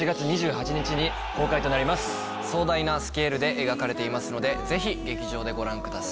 壮大なスケールで描かれていますのでぜひ劇場でご覧ください。